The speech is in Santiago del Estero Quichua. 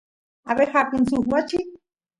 abeja apin suk wachi